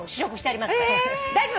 大丈夫。